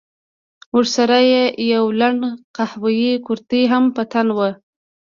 ورسره يې يوه لنډه قهويي کورتۍ هم په تن وه.